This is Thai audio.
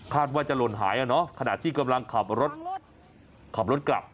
คาดว่าจะหล่นหายขณะที่กำลังขับรถกลับ